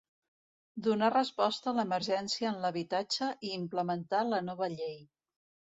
Donar resposta a l'emergència en l'habitatge i implementar la nova llei.